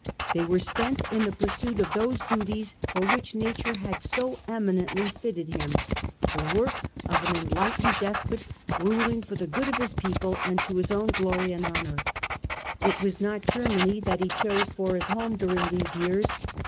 They were spent in the pursuit of those duties for which nature had so eminently fitted him, the work of an enlightened despot, ruling for the good of his people and to his own glory and honour. It was not Germany that he chose for his home during these years.